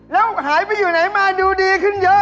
แล้วหายไปอยู่ไหนมาดูดีขึ้นเยอะ